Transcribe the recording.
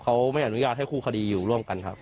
เขาไม่อนุญาตให้คู่คดีอยู่ร่วมกันครับ